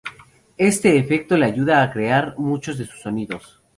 Este efecto le ayuda a crear muchos de sus sonidos.